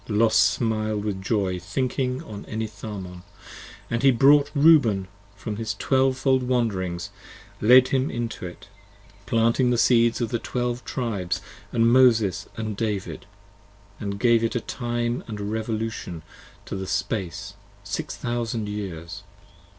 Los smil'd with joy, thinking on Enitharmon, & he brought Reuben from his twelvefold wand'rings & led him into it, 5 Planting the Seeds of the Twelve Tribes & Moses & David: And gave a Time & Revolution to the Space, Six Thousand Years.